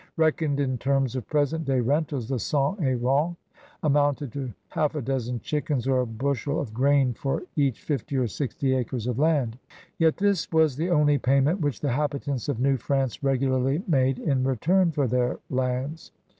Reckoned in terms of present day rentab, the cens el rentes amounted to half a dozen chickens or a bushel of grain for each fifty or sixty acres of land. Yet this was the only payment which the habitants of New France regularly made in return for their lands.